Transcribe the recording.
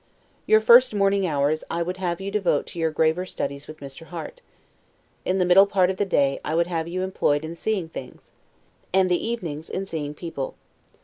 Your first morning hours, I would have you devote to your graver studies with Mr. Harte; the middle part of the day I would have employed in seeing things; and the evenings in seeing people.